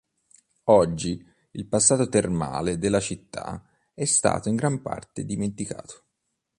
Oggi il passato termale della città è stato in gran parte dimenticato.